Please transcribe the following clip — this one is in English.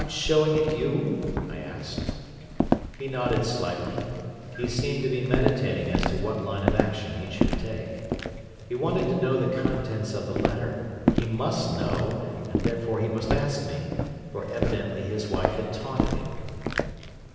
"Without showing it you?" I asked. He nodded slightly. He seemed to be meditating as to what line of action he should take. He wanted to know the contents of the letter: he must know: and therefore he must ask me, for evidently his wife had taunted him.